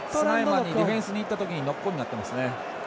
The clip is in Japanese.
ディフェンスに行った時にノックオンになっていますね。